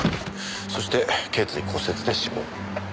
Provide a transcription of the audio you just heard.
そして頸椎骨折で死亡。